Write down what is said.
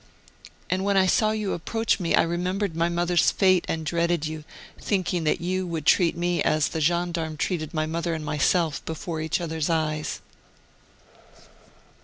'' And when I saw you approach me, I remem bered my mother's fate and dreaded you, thinking that you would treat me as the gendarme treated my mother and myself, before each other's eyes.""